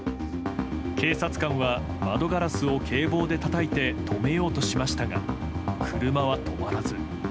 警察官は窓ガラスを警棒でたたいて止めようとしましたが車は止まらず。